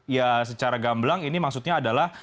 ya secara gamblang ini maksudnya adalah